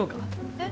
えっ。